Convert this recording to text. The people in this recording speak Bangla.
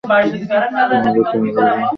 ঐযে এভাবে এভাবে গাড়ি পরিষ্কার করে যে, ওটা না?